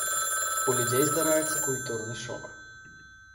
У людзей здараецца культурны шок.